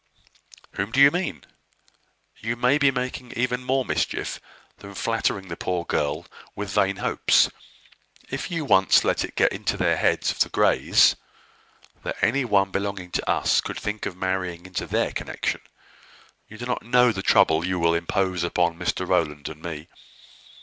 "Whom do you mean?" "You may be making even more mischief than flattering the poor girl with vain hopes. If you once let it get into the heads of the Greys that any one belonging to us could think of marrying into their connection, you do not know the trouble you will impose upon Mr Rowland and me."